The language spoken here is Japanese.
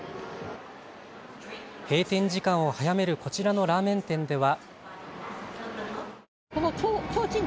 閉店時間を早めるこちらのラーメン店では。